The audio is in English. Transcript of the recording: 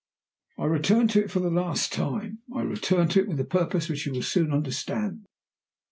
"I return to it for the last time; I return to it with a purpose which you will soon understand.